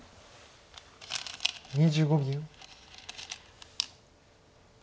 ２５秒。